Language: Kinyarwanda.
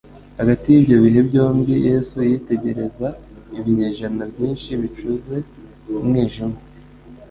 Hagati y'ibyo bihe byombi Yesu yitegereza ibinyejana byinshi bicuze umwijima,